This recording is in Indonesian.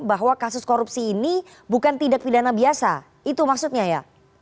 bahwa kasus korupsi ini bukan tindak pidana biasa itu maksudnya ya